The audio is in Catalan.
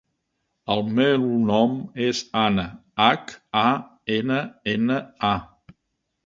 El meu nom és Hanna: hac, a, ena, ena, a.